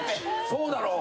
そうだろう？